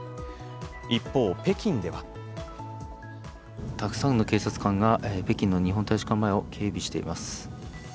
一方、北京ではたくさんの警察官が北京の日本大使館前を警備しています。